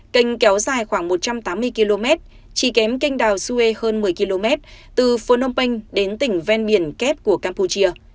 canh kéo dài khoảng một trăm tám mươi km chỉ kém canh đào sue hơn một mươi km từ phu nông penh đến tỉnh ven biển kép của campuchia